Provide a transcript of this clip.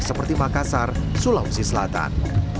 seperti makassar sulawesi selatan